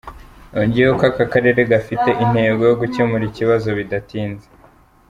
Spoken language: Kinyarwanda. Yongeyeho ko akarere gafite intego zo gukemura iki kibazo bidatinze.